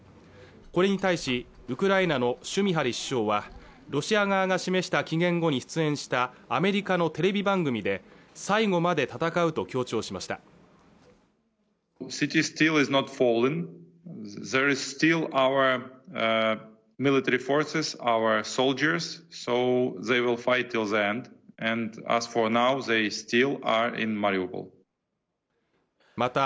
これに対しウクライナのシュミハリ首相はロシア側が示した期限後に出演したアメリカのテレビ番組で最後まで戦うと強調しましたまた